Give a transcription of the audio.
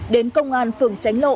đến công an phường tránh lộ